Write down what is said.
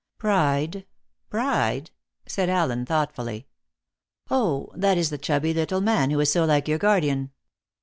"Pride, Pride?" said Allen thoughtfully "oh, that is the chubby little man who is so like your guardian."